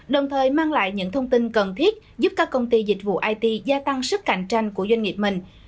đồng thời mang lại những thông tin cần thiết giúp các công ty dịch vụ it gia tăng sức cạnh tranh của doanh nghiệp mình